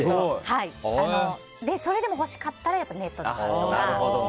それでも欲しかったらネットで買ったりとか。